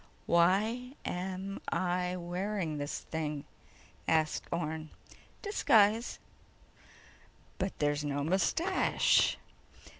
"Why am I wearing this thing?" asked Orne. "Disguise." "But there's no mustache!"